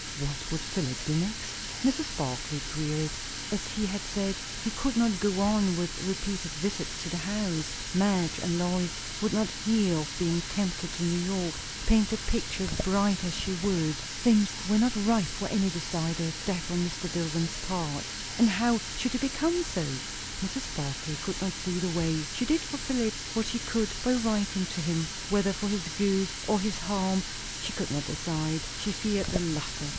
What would Philip do next? Mrs. Barclay queried. As he had said, he could not go on with repeated visits to the house. Madge and Lois would not hear of being tempted to New York, paint the picture as bright as she would. Things were not ripe for any decided step on Mr. Dillwyn's part, and how should they become so? Mrs. Barclay could not see the way. She did for Philip what she could by writing to him, whether for his good or his harm she could not decide. She feared the latter.